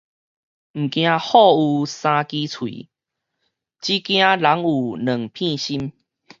毋驚虎有三支喙，只驚人有兩片心